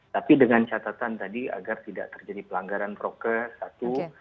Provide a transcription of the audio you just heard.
tapi dengan catatan tadi agar tidak terjadi pelanggaran prokes satu